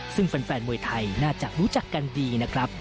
ซึ่งแฟนมวยไทยน่าจะรู้จักกันดีนะครับ